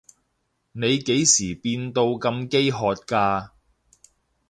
你幾時變到咁飢渴㗎？